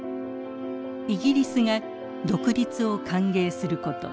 イギリスが独立を歓迎すること。